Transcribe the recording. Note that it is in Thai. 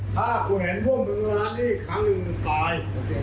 ถ้ากูเห็นพวกมึงมาร้านนี้ครั้งหนึ่งถึงตาย